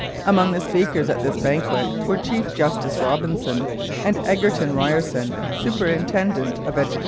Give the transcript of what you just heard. Among the speakers at this banquet were Chief Justice Robinson and Egerton Ryerson, superintendent of education.